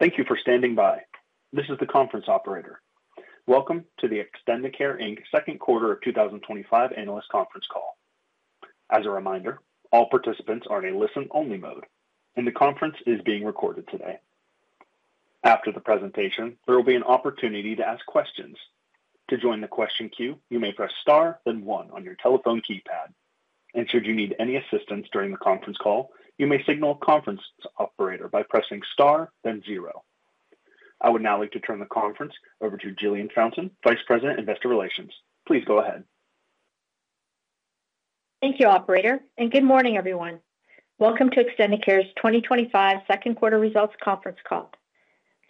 Thank you for standing by. This is the conference operator. Welcome to the Extendicare Inc Second Quarter of 2025 Analyst Conference Call. As a reminder, all participants are in a listen-only mode, and the conference is being recorded today. After the presentation, there will be an opportunity to ask questions. To join the question queue, you may press star, then one on your telephone keypad. Should you need any assistance during the conference call, you may signal a conference operator by pressing star, then zero. I would now like to turn the conference over to Jillian Fountain, Vice President, Investor Relations. Please go ahead. Thank you, Operator, and good morning, everyone. Welcome to Extendicare's 2025 Second Quarter Results Conference Call.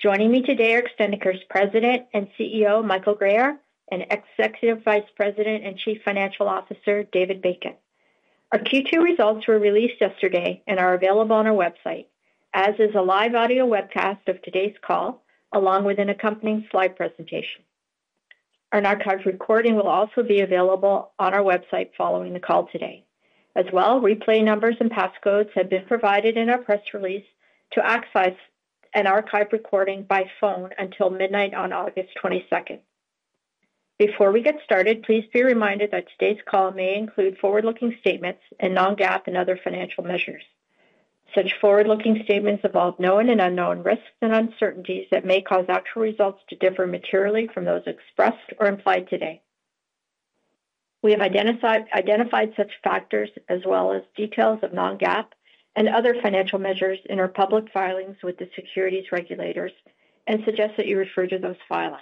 Joining me today are Extendicare's President and CEO, Michael Guerriere, and Executive Vice President and Chief Financial Officer, David Bacon. Our Q2 results were released yesterday and are available on our website, as is a live audio webcast of today's call, along with an accompanying slide presentation. Our archived recording will also be available on our website following the call today. As well, replay numbers and passcodes have been provided in our press release to access an archived recording by phone until midnight on August 22nd. Before we get started, please be reminded that today's call may include forward-looking statements and non-GAAP and other financial measures. Such forward-looking statements involve known and unknown risks and uncertainties that may cause actual results to differ materially from those expressed or implied today. We have identified such factors as well as details of non-GAAP and other financial measures in our public filings with the securities regulators and suggest that you refer to those filings.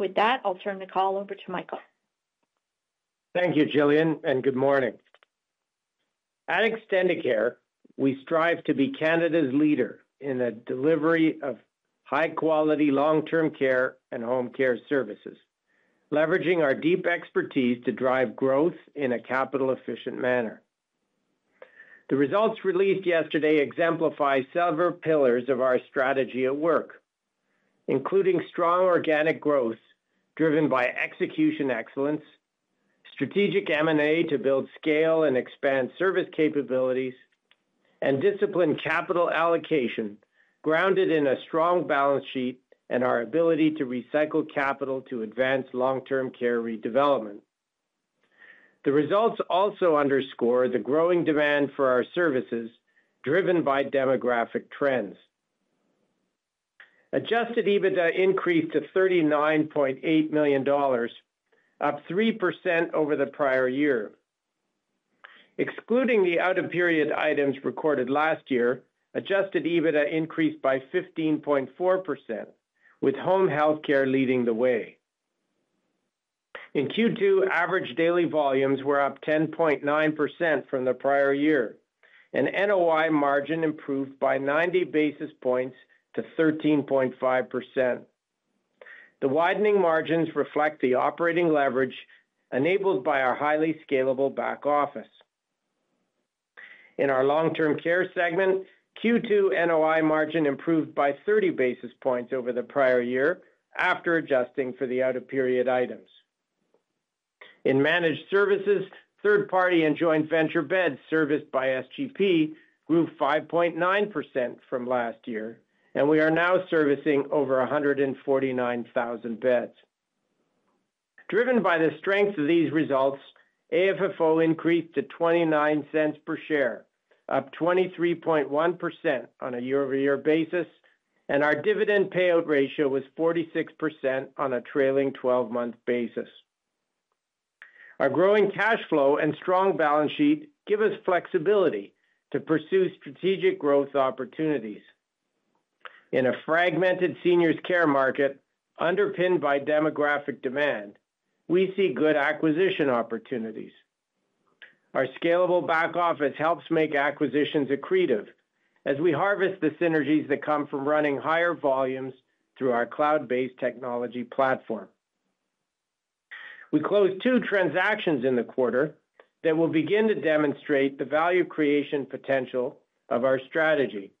With that, I'll turn the call over to Michael. Thank you, Jillian, and good morning. At Extendicare, we strive to be Canada's leader in the delivery of high-quality long-term care and home care services, leveraging our deep expertise to drive growth in a capital-efficient manner. The results released yesterday exemplify several pillars of our strategy at work, including strong organic growth driven by execution excellence, strategic M&A to build scale and expand service capabilities, and disciplined capital allocation grounded in a strong balance sheet and our ability to recycle capital to advance long-term care redevelopment. The results also underscore the growing demand for our services, driven by demographic trends. Adjusted EBITDA increased to 39.8 million dollars, up 3% over the prior year. Excluding the out-of-period items recorded last year, adjusted EBITDA increased by 15.4%, with home health care leading the way. In Q2, average daily volumes were up 10.9% from the prior year, and NOI margin improved by 90 basis points to 13.5%. The widening margins reflect the operating leverage enabled by our highly scalable back office. In our long-term care segment, Q2 NOI margin improved by 30 basis points over the prior year after adjusting for the out-of-period items. In managed services, third-party and joint venture beds serviced by SGP grew 5.9% from last year, and we are now servicing over 149,000 beds. Driven by the strength of these results, AFFO increased to 0.29 per share, up 23.1% on a year-over-year basis, and our dividend payout ratio was 46% on a trailing 12-month basis. Our growing cash flow and strong balance sheet give us flexibility to pursue strategic growth opportunities. In a fragmented seniors' care market, underpinned by demographic demand, we see good acquisition opportunities. Our scalable back office helps make acquisitions accretive as we harvest the synergies that come from running higher volumes through our cloud-based technology platform. We closed two transactions in the quarter that will begin to demonstrate the value creation potential of our strategy.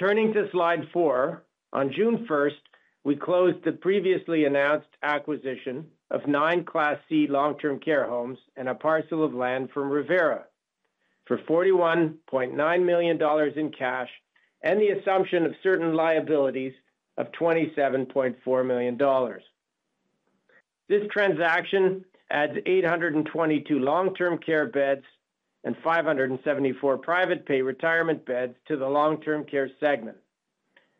Turning to slide four, on June 1st, we closed the previously announced acquisition of nine Class C long-term care homes and a parcel of land from Revera for 41.9 million dollars in cash and the assumption of certain liabilities of 27.4 million dollars. This transaction adds 822 long-term care beds and 574 private pay retirement beds to the long-term care segment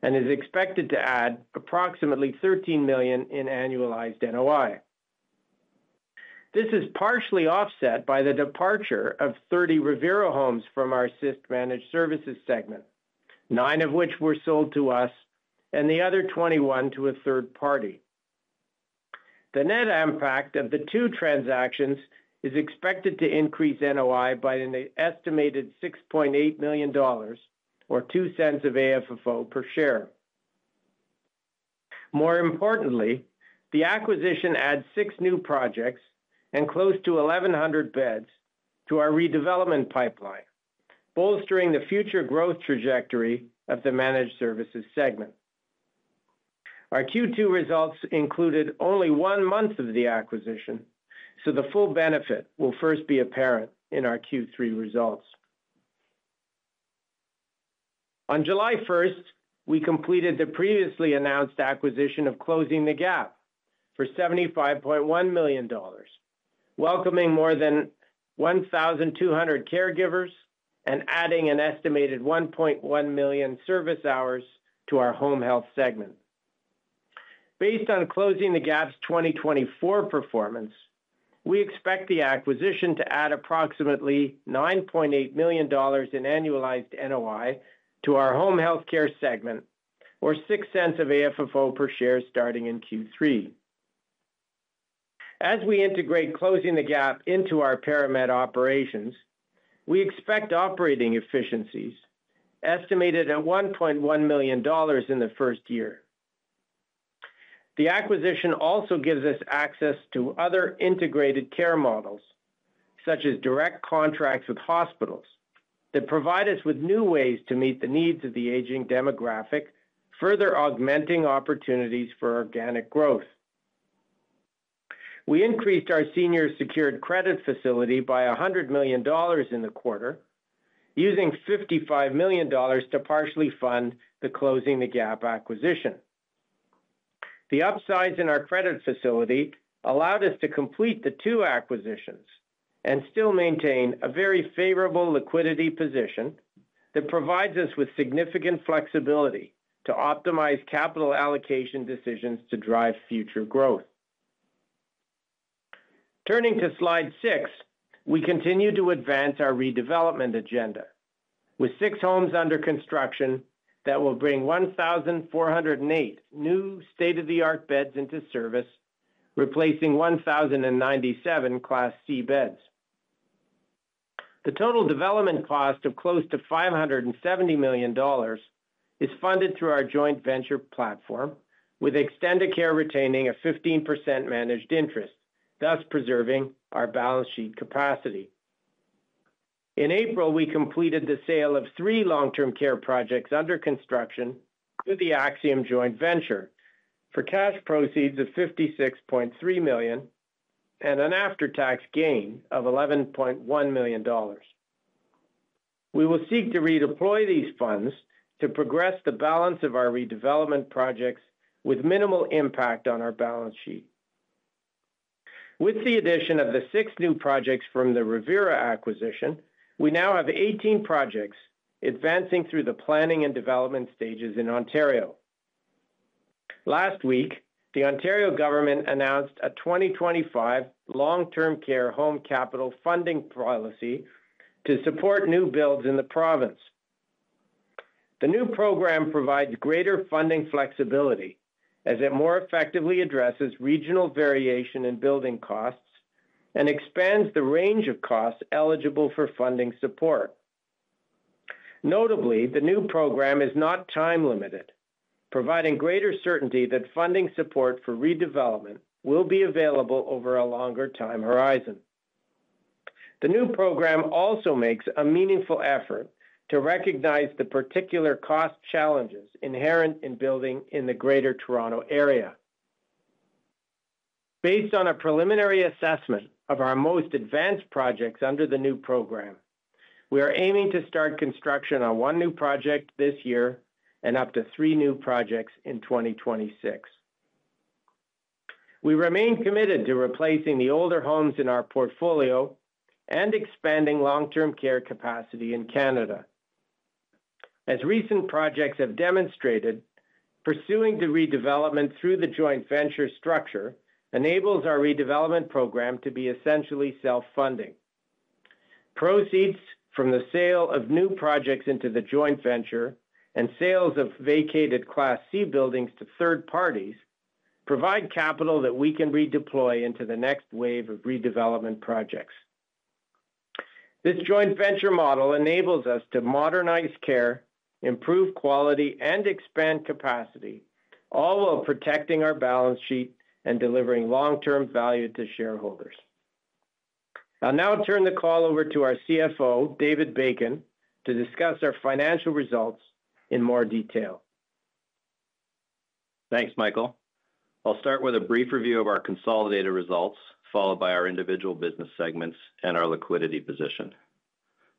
and is expected to add approximately 13 million in annualized NOI. This is partially offset by the departure of 30 Revera homes from our managed services segment, nine of which were sold to us and the other 21 to a third party. The net impact of the two transactions is expected to increase NOI by an estimated 6.8 million dollars, or 0.02 of AFFO per share. More importantly, the acquisition adds six new projects and close to 1,100 beds to our redevelopment pipeline, bolstering the future growth trajectory of the managed services segment. Our Q2 results included only one month of the acquisition, so the full benefit will first be apparent in our Q3 results. On July 1st, we completed the previously announced acquisition of Closing the Gap for 75.1 million dollars, welcoming more than 1,200 caregivers and adding an estimated 1.1 million service hours to our home health care segment. Based on Closing the Gap's 2024 performance, we expect the acquisition to add approximately 9.8 million dollars in annualized NOI to our home health care segment, or 0.06 of AFFO per share starting in Q3. As we integrate Closing the Gap into our ParaMed operations, we expect operating efficiencies estimated at 1.1 million dollars in the first year. The acquisition also gives us access to other integrated care models, such as direct contracts with hospitals that provide us with new ways to meet the needs of the aging demographic, further augmenting opportunities for organic growth. We increased our senior secured credit facility by 100 million dollars in the quarter, using 55 million dollars to partially fund the Closing the Gap acquisition. The upsides in our credit facility allowed us to complete the two acquisitions and still maintain a very favorable liquidity position that provides us with significant flexibility to optimize capital allocation decisions to drive future growth. Turning to slide six, we continue to advance our redevelopment agenda, with six homes under construction that will bring 1,408 new state-of-the-art beds into service, replacing 1,097 Class C beds. The total development cost of close to 570 million dollars is funded through our joint venture platform, with Extendicare retaining a 15% managed interest, thus preserving our balance sheet capacity. In April, we completed the sale of three long-term care projects under construction through the Axium joint venture for cash proceeds of 56.3 million and an after-tax gain of 11.1 million dollars. We will seek to redeploy these funds to progress the balance of our redevelopment projects with minimal impact on our balance sheet. With the addition of the six new projects from the Revera acquisition, we now have 18 projects advancing through the planning and development stages in Ontario. Last week, the Ontario government announced a 2025 long-term care home capital funding policy to support new builds in the province. The new program provides greater funding flexibility as it more effectively addresses regional variation in building costs and expands the range of costs eligible for funding support. Notably, the new program is not time-limited, providing greater certainty that funding support for redevelopment will be available over a longer time horizon. The new program also makes a meaningful effort to recognize the particular cost challenges inherent in building in the Greater Toronto Area. Based on a preliminary assessment of our most advanced projects under the new program, we are aiming to start construction on one new project this year and up to three new projects in 2026. We remain committed to replacing the older homes in our portfolio and expanding long-term care capacity in Canada. As recent projects have demonstrated, pursuing the redevelopment through the joint venture structure enables our redevelopment program to be essentially self-funding. Proceeds from the sale of new projects into the joint venture and sales of vacated Class C buildings to third parties provide capital that we can redeploy into the next wave of redevelopment projects. This joint venture model enables us to modernize care, improve quality, and expand capacity, all while protecting our balance sheet and delivering long-term value to shareholders. I'll now turn the call over to our CFO, David Bacon, to discuss our financial results in more detail. Thanks, Michael. I'll start with a brief review of our consolidated results, followed by our individual business segments and our liquidity position.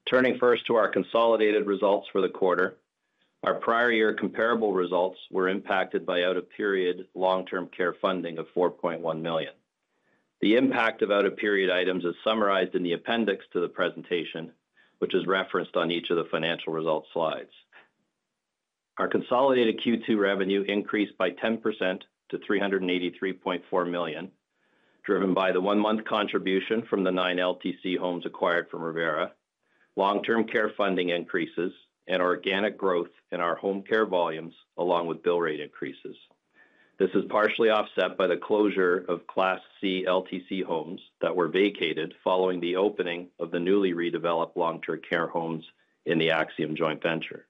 Turning first to our consolidated results for the quarter, our prior year comparable results were impacted by out-of-period long-term care funding of 4.1 million. The impact of out-of-period items is summarized in the appendix to the presentation, which is referenced on each of the financial results slides. Our consolidated Q2 revenue increased by 10% to 383.4 million, driven by the one-month contribution from the nine long-term care homes acquired from Revera, long-term care funding increases, and organic growth in our home health care volumes, along with bill rate increases. This is partially offset by the closure of Class C long-term care homes that were vacated following the opening of the newly redeveloped long-term care homes in the Axium joint venture.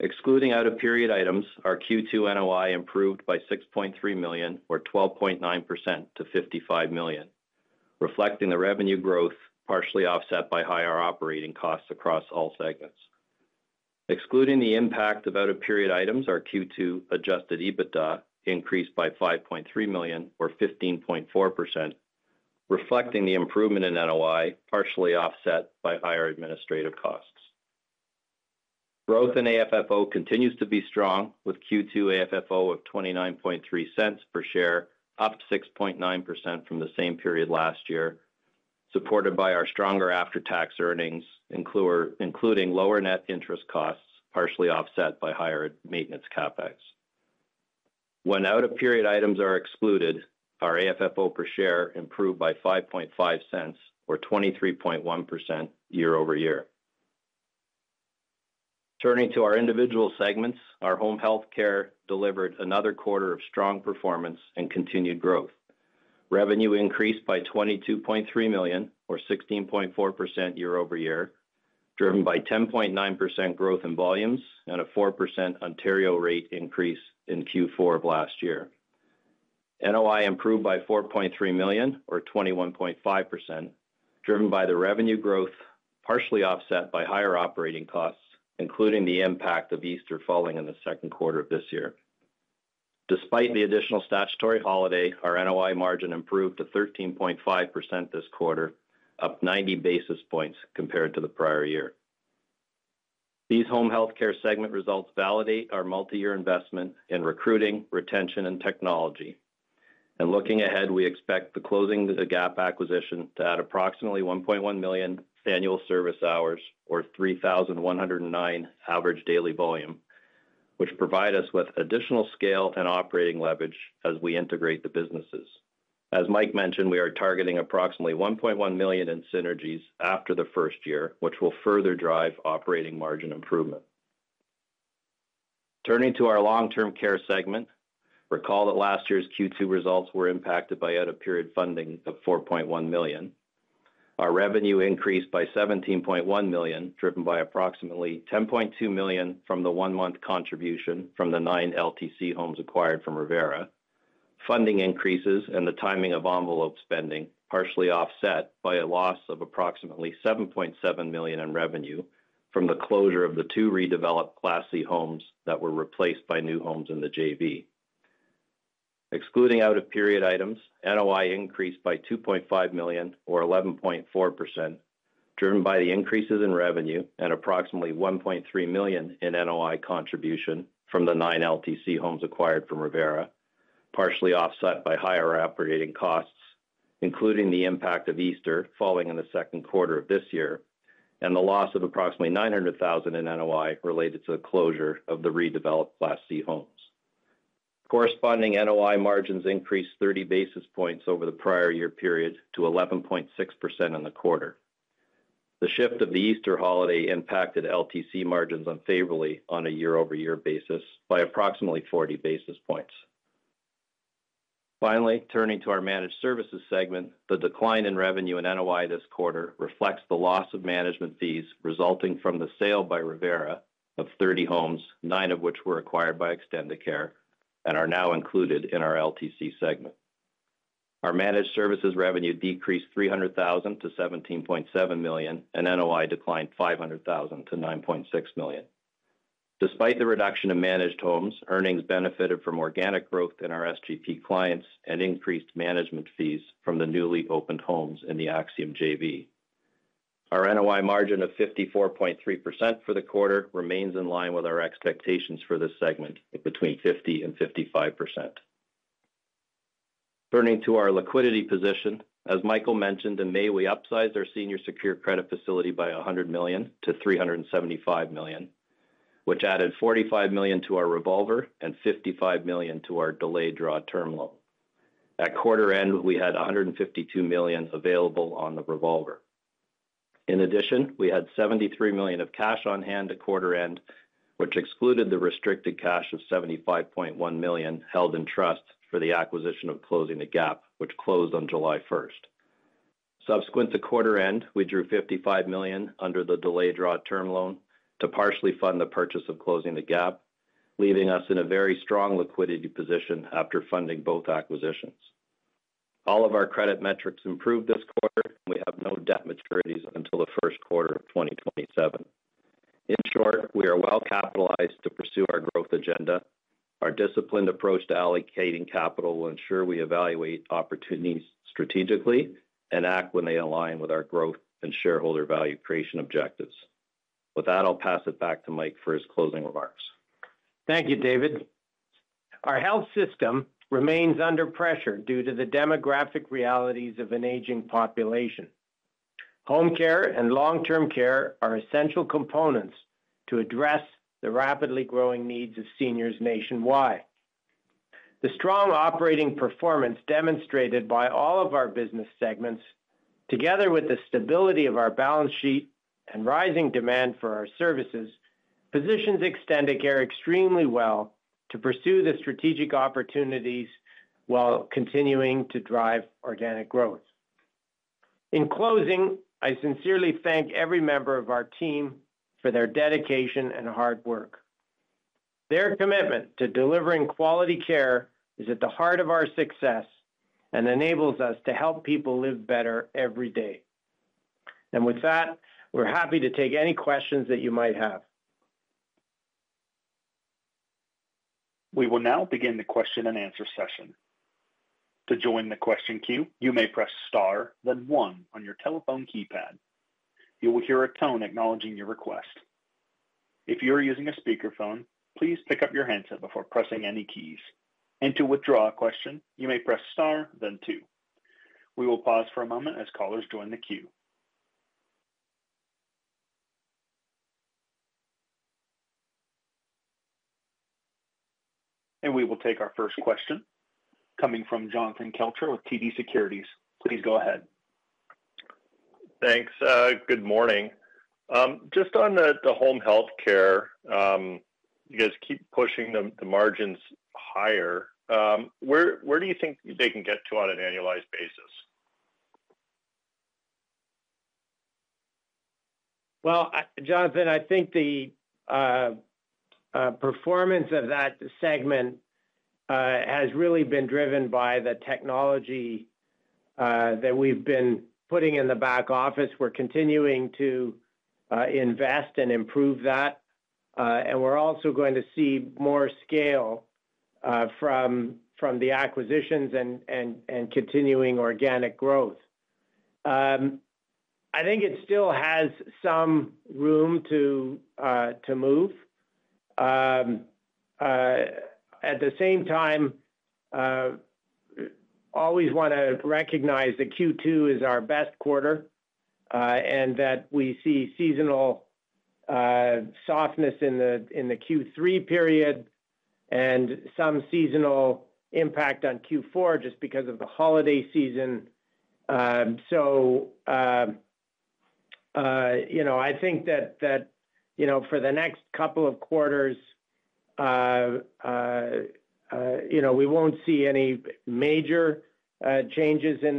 Excluding out-of-period items, our Q2 NOI improved by 6.3 million, or 12.9% to 55 million, reflecting the revenue growth partially offset by higher operating costs across all segments. Excluding the impact of out-of-period items, our Q2 adjusted EBITDA increased by 5.3 million, or 15.4%, reflecting the improvement in NOI partially offset by higher administrative costs. Growth in AFFO continues to be strong, with Q2 AFFO of 0.293 per share, up 6.9% from the same period last year, supported by our stronger after-tax earnings, including lower net interest costs partially offset by higher maintenance CapEx. When out-of-period items are excluded, our AFFO per share improved by 0.055, or 23.1% year-over-year. Turning to our individual segments, our home health care delivered another quarter of strong performance and continued growth. Revenue increased by 22.3 million, or 16.4% year-over-year, driven by 10.9% growth in volumes and a 4% Ontario rate increase in Q4 of last year. NOI improved by 4.3 million, or 21.5%, driven by the revenue growth partially offset by higher operating costs, including the impact of Easter falling in the second quarter of this year. Despite the additional statutory holiday, our NOI margin improved to 13.5% this quarter, up 90 basis points compared to the prior year. These home health care segment results validate our multi-year investment in recruiting, retention, and technology. Looking ahead, we expect the Closing the Gap acquisition to add approximately 1.1 million annual service hours, or 3,109 average daily volume, which provide us with additional scale and operating leverage as we integrate the businesses. As Mike mentioned, we are targeting approximately 1.1 million in synergies after the first year, which will further drive operating margin improvement. Turning to our long-term care segment, recall that last year's Q2 results were impacted by out-of-period funding of 4.1 million. Our revenue increased by 17.1 million, driven by approximately 10.2 million from the one-month contribution from the nine long-term care homes acquired from Revera, funding increases, and the timing of envelope spending, partially offset by a loss of approximately 7.7 million in revenue from the closure of the two redeveloped Class C homes that were replaced by new homes in the joint venture. Excluding out-of-period items, NOI increased by 2.5 million, or 11.4%, driven by the increases in revenue and approximately 1.3 million in NOI contribution from the nine long-term care homes acquired from Revera, partially offset by higher operating costs, including the impact of Easter falling in the second quarter of this year and the loss of approximately 900,000 in NOI related to the closure of the redeveloped Class C homes. Corresponding NOI margins increased 30 basis points over the prior year period to 11.6% in the quarter. The shift of the Easter holiday impacted long-term care margins unfavorably on a year-over-year basis by approximately 40 basis points. Finally, turning to our managed services segment, the decline in revenue and NOI this quarter reflects the loss of management fees resulting from the sale by Revera of 30 homes, nine of which were acquired by Extendicare. And are now included in our LTC segment. Our managed services revenue decreased 300,000 to 17.7 million, and NOI declined 500,000 to 9.6 million. Despite the reduction in managed homes, earnings benefited from organic growth in our SGP clients and increased management fees from the newly opened homes in the Axium JV. Our NOI margin of 54.3% for the quarter remains in line with our expectations for this segment between 50% and 55%. Turning to our liquidity position, as Michael mentioned in May, we upsized our senior secured credit facility by 100 million to 375 million, which added 45 million to our revolver and 55 million to our delayed draw term loan. At quarter end, we had 152 million available on the revolver. In addition, we had 73 million of cash on hand at quarter end, which excluded the restricted cash of 75.1 million held in trust for the acquisition of Closing the Gap, which closed on July 1st. Subsequent to quarter end, we drew 55 million under the delayed draw term loan to partially fund the purchase of Closing the Gap, leaving us in a very strong liquidity position after funding both acquisitions. All of our credit metrics improved this quarter, and we have no debt maturities until the first quarter of 2027. In short, we are well capitalized to pursue our growth agenda. Our disciplined approach to allocating capital will ensure we evaluate opportunities strategically and act when they align with our growth and shareholder value creation objectives. With that, I'll pass it back to Mike for his closing remarks. Thank you, David. Our health system remains under pressure due to the demographic realities of an aging population. Home care and long-term care are essential components to address the rapidly growing needs of seniors nationwide. The strong operating performance demonstrated by all of our business segments, together with the stability of our balance sheet and rising demand for our services, positions Extendicare extremely well to pursue the strategic opportunities while continuing to drive organic growth. In closing, I sincerely thank every member of our team for their dedication and hard work. Their commitment to delivering quality care is at the heart of our success and enables us to help people live better every day. We're happy to take any questions that you might have. We will now begin the question and answer session. To join the question queue, you may press star, then one on your telephone keypad. You will hear a tone acknowledging your request. If you are using a speakerphone, please pick up your headset before pressing any keys. To withdraw a question, you may press star, then two. We will pause for a moment as callers join the queue. We will take our first question coming from Jonathan Kelcher with TD Securities. Please go ahead. Thanks. Good morning. Just on the home health care, you guys keep pushing the margins higher. Where do you think they can get to on an annualized basis? Jonathan, I think the performance of that segment has really been driven by the technology that we've been putting in the back office. We're continuing to invest and improve that. We're also going to see more scale from the acquisitions and continuing organic growth. I think it still has some room to move. At the same time, I always want to recognize that Q2 is our best quarter and that we see seasonal softness in the Q3 period and some seasonal impact on Q4 just because of the holiday season. I think that for the next couple of quarters, we won't see any major changes in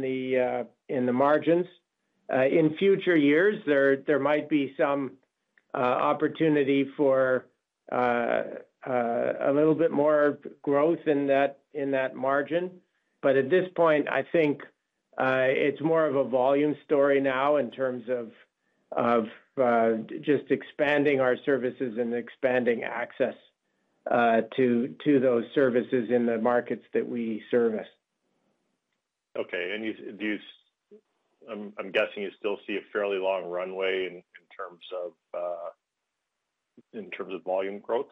the margins. In future years, there might be some opportunity for a little bit more growth in that margin. At this point, I think it's more of a volume story now in terms of just expanding our services and expanding access to those services in the markets that we service. Okay. Do you, I'm guessing you still see a fairly long runway in terms of volume growth?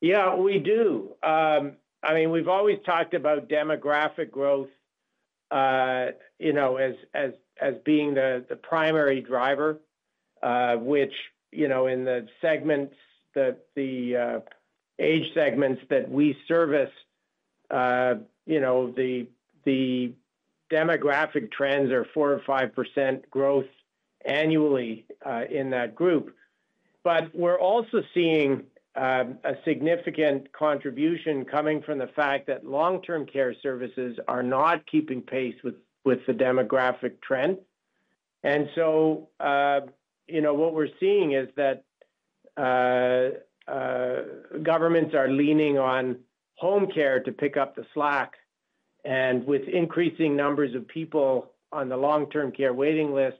Yeah, we do. I mean, we've always talked about demographic growth as being the primary driver, which, in the segments, the age segments that we service, the demographic trends are 4% or 5% growth annually in that group. We're also seeing a significant contribution coming from the fact that long-term care services are not keeping pace with the demographic trend. What we're seeing is that governments are leaning on home care to pick up the slack. With increasing numbers of people on the long-term care waiting list,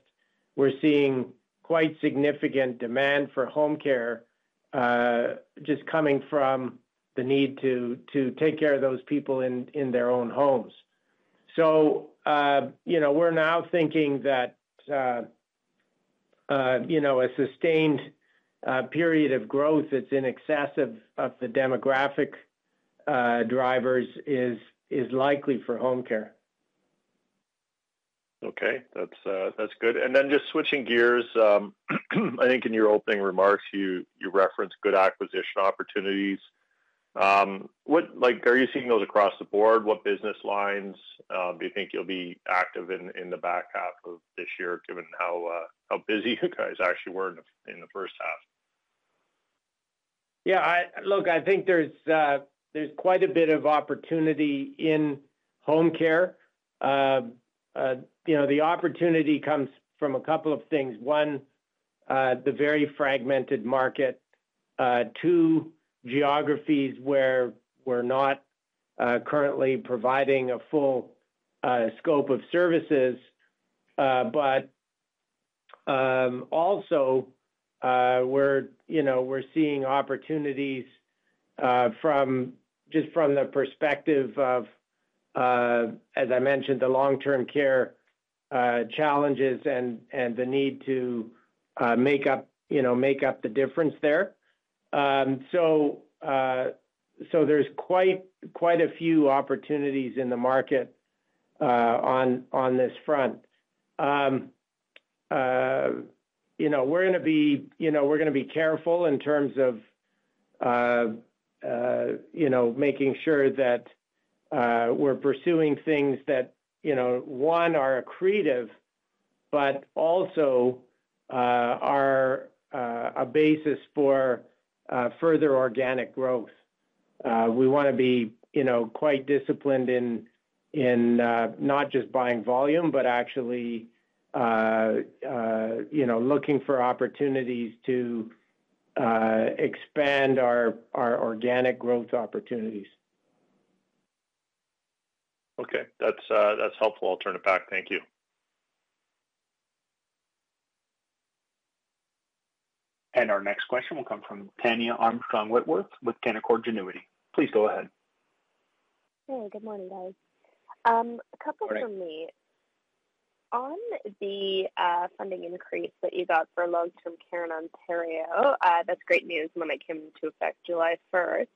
we're seeing quite significant demand for home care just coming from the need to take care of those people in their own homes. We're now thinking that a sustained period of growth that's in excess of the demographic drivers is likely for home care. Okay, that's good. Just switching gears, I think in your opening remarks, you referenced good acquisition opportunities. What, like, are you seeing those across the board? What business lines do you think you'll be active in the back half of this year, given how busy you guys actually were in the first half? Yeah, look, I think there's quite a bit of opportunity in home health care. The opportunity comes from a couple of things. One, the very fragmented market. Two, geographies where we're not currently providing a full scope of services. We're also seeing opportunities just from the perspective of, as I mentioned, the long-term care challenges and the need to make up the difference there. There are quite a few opportunities in the market on this front. We're going to be careful in terms of making sure that we're pursuing things that, one, are accretive, but also are a basis for further organic growth. We want to be quite disciplined in not just buying volume, but actually looking for opportunities to expand our organic growth opportunities. Okay, that's helpful. I'll turn it back. Thank you. Our next question will come from Tania Armstrong-Whitworth with Canaccord Genuity. Please go ahead. Hey, good morning, guys. A couple from me. On the funding increase that you got for long-term care in Ontario, that's great news when it came into effect July 1st.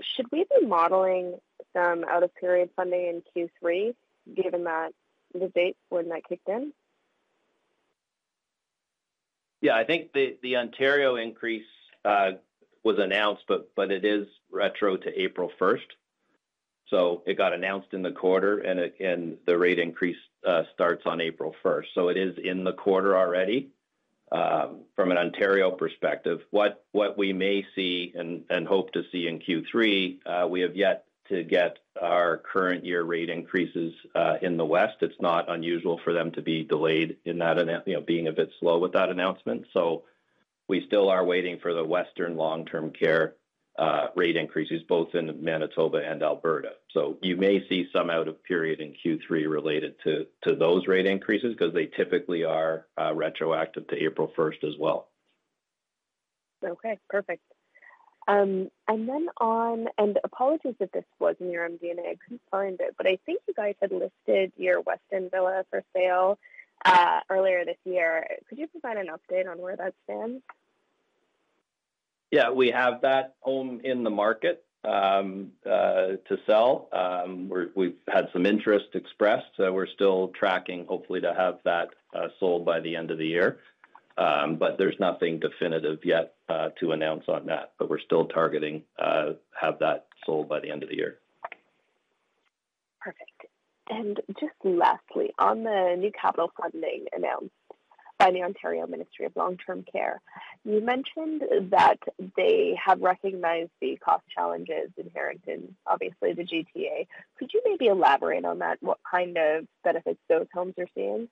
Should we be modeling some out-of-period funding in Q3, given that the date when that kicked in? Yeah, I think the Ontario increase was announced, but it is retro to April 1st. It got announced in the quarter, and the rate increase starts on April 1st. It is in the quarter already. From an Ontario perspective, what we may see and hope to see in Q3, we have yet to get our current year rate increases in the West. It's not unusual for them to be delayed, you know, being a bit slow with that announcement. We still are waiting for the Western long-term care rate increases, both in Manitoba and Alberta. You may see some out-of-period in Q3 related to those rate increases because they typically are retroactive to April 1st as well. Okay, perfect. Apologies if this wasn't in your MD&A. I couldn't find it, but I think you guys had listed your West End Villa for sale earlier this year. Could you provide an update on where that's been? Yeah, we have that home in the market to sell. We've had some interest expressed, so we're still tracking hopefully to have that sold by the end of the year. There's nothing definitive yet to announce on that, but we're still targeting to have that sold by the end of the year. Perfect. Just lastly, on the new capital funding announced by the Ontario Ministry of Long-Term Care, you mentioned that they have recognized the cost challenges inherent in, obviously, the G.T.A. Could you maybe elaborate on that? What kind of benefits those homes are seeing?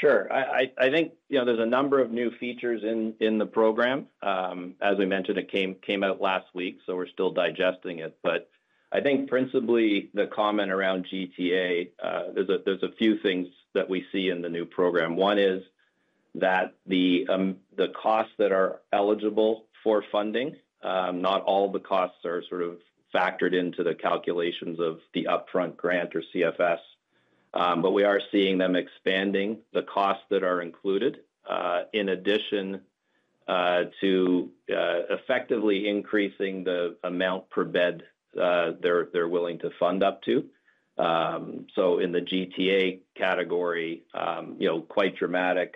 Sure. I think, you know, there's a number of new features in the program. As we mentioned, it came out last week, so we're still digesting it. I think principally the comment around G.T.A., there's a few things that we see in the new program. One is that the costs that are eligible for funding, not all the costs are sort of factored into the calculations of the upfront grant or CFS, but we are seeing them expanding the costs that are included in addition to effectively increasing the amount per bed they're willing to fund up to. In the G.T.A. category, you know, quite dramatic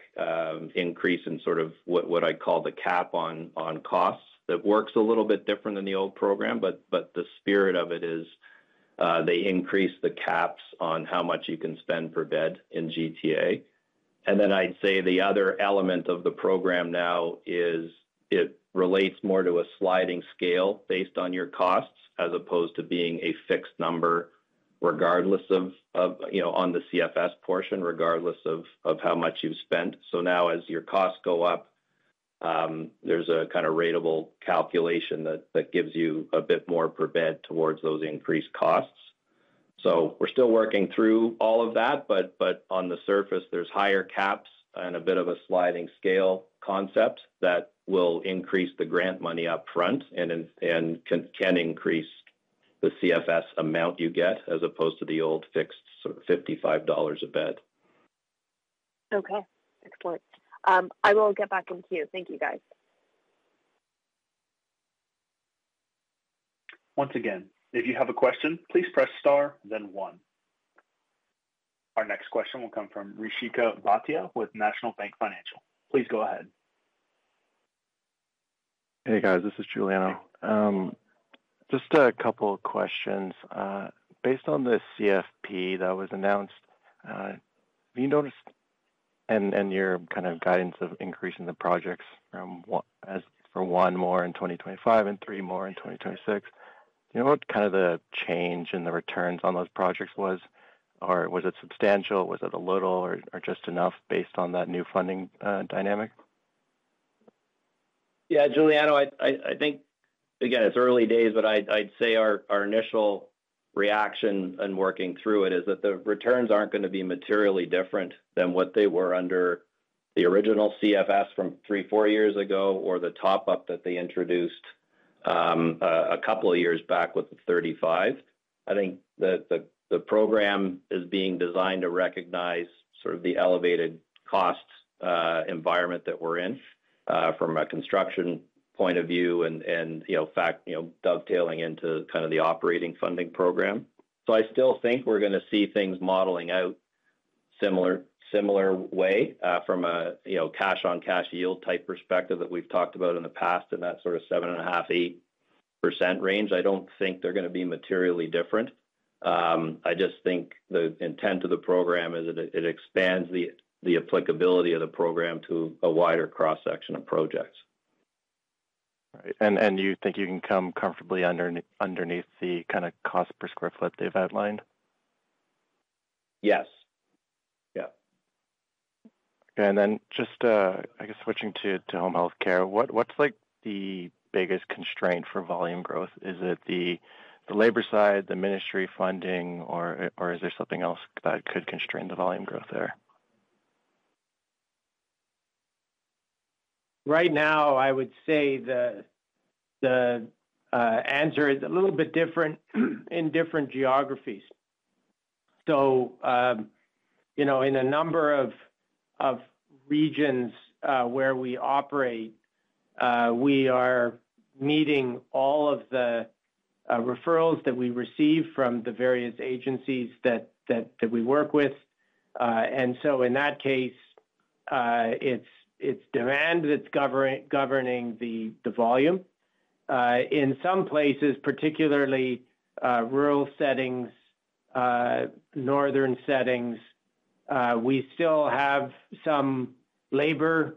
increase in sort of what I'd call the cap on costs that works a little bit different than the old program, but the spirit of it is they increase the caps on how much you can spend per bed in G.T.A. I'd say the other element of the program now is it relates more to a sliding scale based on your costs as opposed to being a fixed number regardless of, you know, on the CFS portion, regardless of how much you've spent. Now, as your costs go up, there's a kind of ratable calculation that gives you a bit more per bed towards those increased costs. We're still working through all of that, but on the surface, there's higher caps and a bit of a sliding scale concept that will increase the grant money upfront and can increase the CFS amount you get as opposed to the old fixed 55 dollars a bed. Okay, excellent. I will get back in queue. Thank you, guys. Once again, if you have a question, please press star, then one. Our next question will come from Rishika Bhatia with National Bank Financial. Please go ahead. Hey guys, this is Giuliano. Just a couple of questions. Based on the CFP that was announced, do you notice in your kind of guidance of increasing the projects as for one more in 2025 and three more in 2026, do you know what kind of the change in the returns on those projects was, or was it substantial? Was it a little or just enough based on that new funding dynamic? Yeah, Giuliano, I think, again, it's early days, but I'd say our initial reaction and working through it is that the returns aren't going to be materially different than what they were under the original CFS from three, four years ago, or the top-up that they introduced a couple of years back with the 35. I think that the program is being designed to recognize the elevated cost environment that we're in from a construction point of view, and dovetailing into the operating funding program. I still think we're going to see things modeling out a similar way from a cash-on-cash yield type perspective that we've talked about in the past in that 7.5%-8.0% range. I don't think they're going to be materially different. I think the intent of the program is that it expands the applicability of the program to a wider cross-section of projects. Do you think you can come comfortably underneath the kind of cost per square foot they've outlined? Yes. Okay. Just switching to home health care, what's the biggest constraint for volume growth? Is it the labor side, the ministry funding, or is there something else that could constrain the volume growth there? Right now, I would say the answer is a little bit different in different geographies. In a number of regions where we operate, we are meeting all of the referrals that we receive from the various agencies that we work with. In that case, it's demand that's governing the volume. In some places, particularly rural settings, northern settings, we still have some labor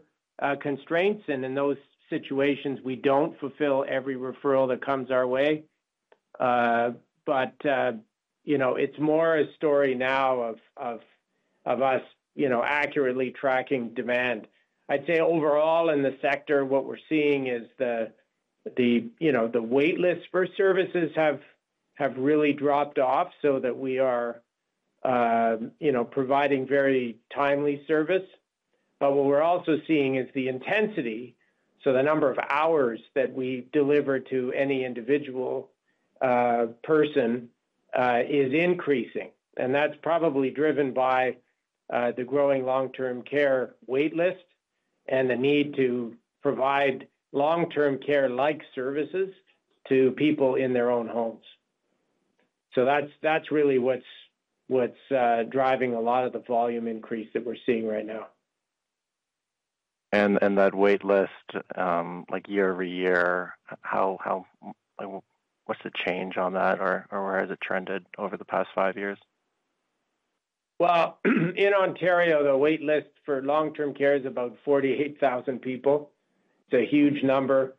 constraints. In those situations, we don't fulfill every referral that comes our way. It's more a story now of us accurately tracking demand. I'd say overall in the sector, what we're seeing is the wait lists for services have really dropped off so that we are providing very timely service. What we're also seeing is the intensity, so the number of hours that we deliver to any individual person is increasing. That's probably driven by the growing long-term care wait list and the need to provide long-term care-like services to people in their own homes. That's really what's driving a lot of the volume increase that we're seeing right now. What is the change on that wait list year-over-year, or where has it trended over the past five years? In Ontario, the wait list for long-term care is about 48,000 people. It's a huge number.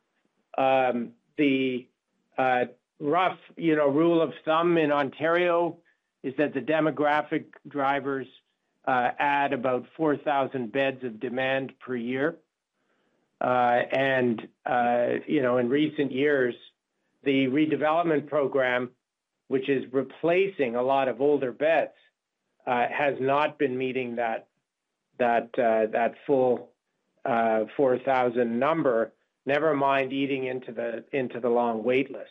The rough rule of thumb in Ontario is that the demographic drivers add about 4,000 beds of demand per year. In recent years, the redevelopment program, which is replacing a lot of older beds, has not been meeting that full 4,000 number, never mind eating into the long wait list.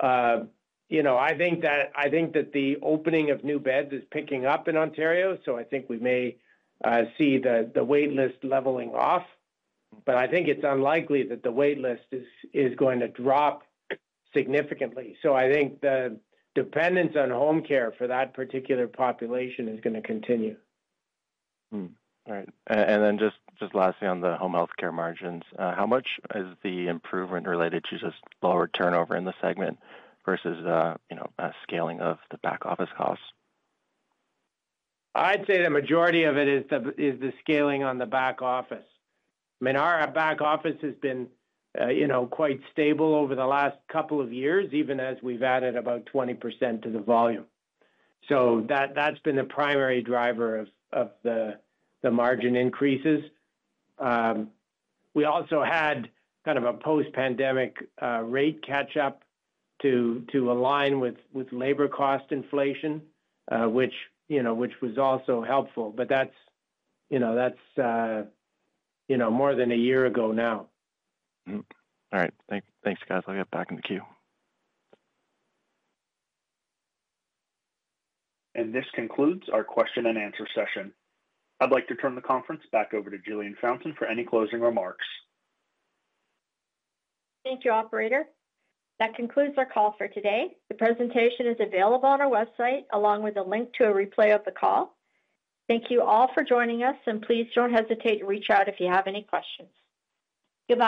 I think that the opening of new beds is picking up in Ontario, so I think we may see the wait list leveling off. I think it's unlikely that the wait list is going to drop significantly. I think the dependence on home care for that particular population is going to continue. All right. Lastly, on the home health care margins, how much is the improvement related to just lower turnover in the segment versus scaling of the back office costs? I'd say the majority of it is the scaling on the back office. Our back office has been quite stable over the last couple of years, even as we've added about 20% to the volume. That's been the primary driver of the margin increases. We also had kind of a post-pandemic rate catch-up to align with labor cost inflation, which was also helpful. That's more than a year ago now. All right. Thanks, guys. I'll get back in the queue. This concludes our question and answer session. I'd like to turn the conference back over to Jillian Fountain for any closing remarks. Thank you, Operator. That concludes our call for today. The presentation is available on our website, along with a link to a replay of the call. Thank you all for joining us, and please don't hesitate to reach out if you have any questions. Goodbye.